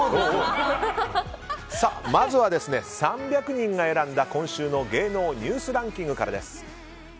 まずは３００人が選んだ今週の芸能ニュースランキング。